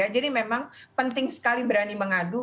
jadi memang penting sekali berani mengadu